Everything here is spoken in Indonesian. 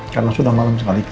karena sudah malam sekali